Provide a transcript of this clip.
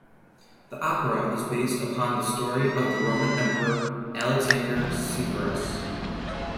The opera is based upon the story of the Roman Emperor Alexander Severus.